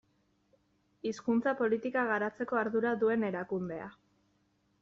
Hizkuntza politika garatzeko ardura duen erakundea.